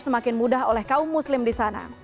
semakin mudah oleh kaum muslim di sana